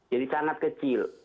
jadi sangat kecil